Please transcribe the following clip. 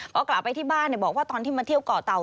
พอกลับไปที่บ้านบอกว่าตอนที่มาเที่ยวเกาะเตา